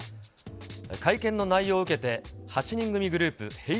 会見の内容を受けて、８人組グループ、Ｈｅｙ！